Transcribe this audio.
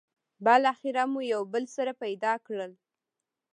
بالاخره مو یو بل سره پيدا کړل.